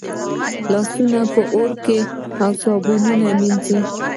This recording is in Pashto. لاسونه په اوبو او صابون مینځئ.